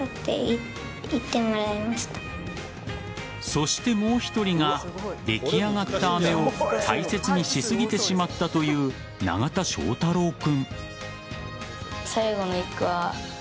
そして、もう１人が出来上がった飴を大切にしすぎてしまったという永田翔太楼君。